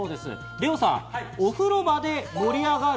ＬＥＯさん、お風呂場で盛り上がる。